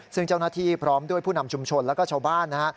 ซึ่งเจ้าหน้าที่พร้อมด้วยผู้นำชุมชนแล้วก็ชาวบ้านนะฮะ